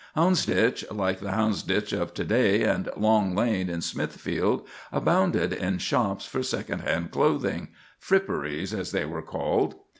Houndsditch, like the Houndsditch of to day, and Long Lane in Smithfield, abounded in shops for second hand clothing—fripperies, as they were called.